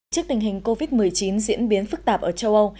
trước tình hình covid một mươi chín diễn biến phức tạp ở châu âu